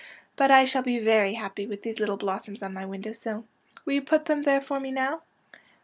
But I shall be very happy with these little blossoms on my window sill. Will you put them there for me now?